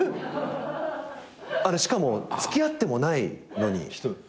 あれしかも付き合ってもないのに。